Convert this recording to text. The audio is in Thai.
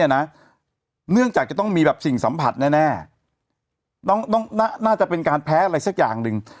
เนื่องจากจะต้องมีแบบสิ่งสัมผัสแน่น่าจะเป็นการแพ้อะไรสักอย่างหนึ่ง